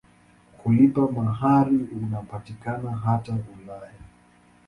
Kulipa mahari unapatikana hata Ulaya.